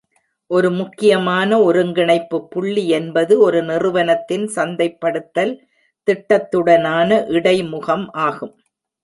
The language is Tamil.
ஒரு முக்கியமான ஒருங்கிணைப்பு புள்ளி என்பது ஒரு நிறுவனத்தின் சந்தைப்படுத்தல் திட்டத்துடனான இடைமுகம் ஆகும்.